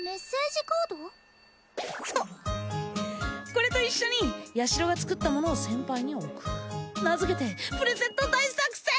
これと一緒にヤシロが作ったものを先輩に贈る名付けてプレゼント大作戦！